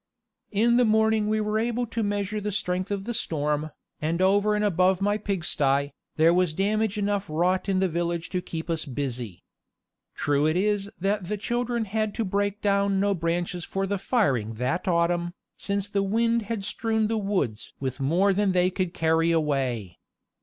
In the morning we were able to measure the strength of the storm, and over and above my pigsty, there was damage enough wrought in the village to keep us busy. True it is that the children had to break down no branches for the firing that autumn, since the wind had strewn the woods with more than they could carry away.